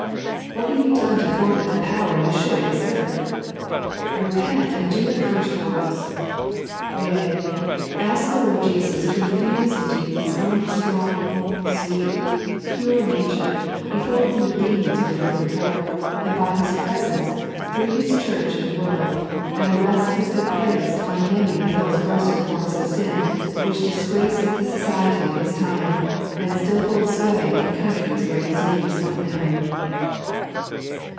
What have you done to forfeit the power yon should exert T Bepent, and do the first works ! Yea, ask the Lord Jeeus to infuee into you His own strong, Bweet, pure nature, before whom the demons were driven forth, and by whose presence, through His Chun^ in the world, an arrest has been placed on many of those grosser forms of sin which disgraced the society of His time, and still hold sway in countries where His name is not known.